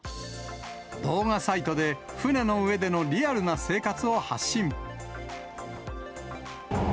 動画サイトで船の上でのリアルな生活を発信。